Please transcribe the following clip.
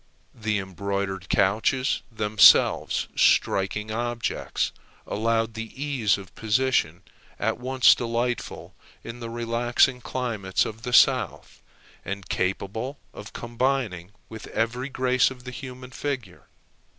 The embroidered couches, themselves striking objects, allowed the ease of position at once delightful in the relaxing climates of the South, and capable of combining with every grace of the human figure.